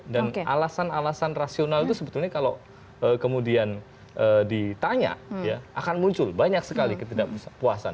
dan alasan alasan rasional itu sebetulnya kalau kemudian ditanya akan muncul banyak sekali ketidakpuasan